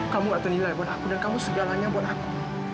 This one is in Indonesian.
kamu atau nilai buat aku dan kamu segalanya buat aku